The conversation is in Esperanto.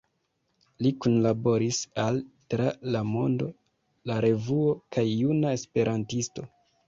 Li kunlaboris al „Tra La Mondo“, „La Revuo“ kaj „Juna Esperantisto“.